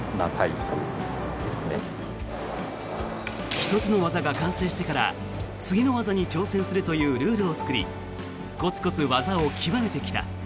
１つの技が完成してから次の技に挑戦するというルールを作りコツコツ技を極めてきた。